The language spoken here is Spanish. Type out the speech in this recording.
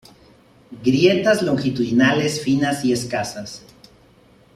Grietas longitudinales finas y escasas.